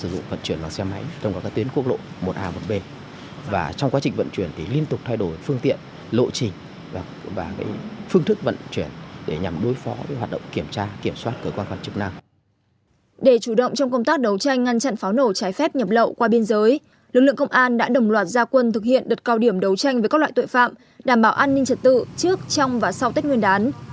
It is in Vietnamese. để chủ động trong công tác đấu tranh ngăn chặn pháo nổ trái phép nhập lậu qua biên giới lực lượng công an đã đồng loạt gia quân thực hiện đợt cao điểm đấu tranh với các loại tội phạm đảm bảo an ninh trật tự trước trong và sau tết nguyên đán